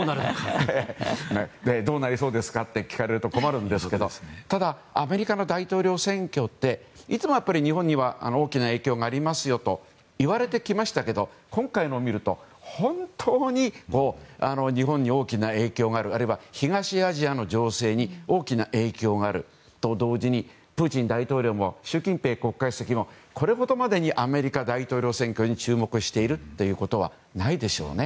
どうなりそうですか？って聞かれると困るんですけどただ、アメリカの大統領選挙っていつも日本にも大きな影響がありますよといわれてきましたけど今回のを見ると本当に日本に大きな影響があるあるいは、東アジアの情勢に大きな影響があると同時にプーチン大統領も習近平国家主席もこれほどまでにアメリカ大統領選挙に注目しているということはないでしょうね。